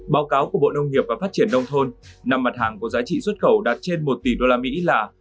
báo cáo của bộ nông nghiệp và phát triển nông thôn nằm mặt hàng của giá trị xuất khẩu đạt trên một tỷ đô la mỹ là